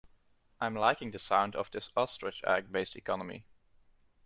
I'm liking the sound of this ostrich egg based economy.